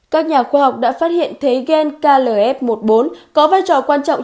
các nhà khoa học đã phát hiện thấy gan klf một mươi bốn có vai trò quan trọng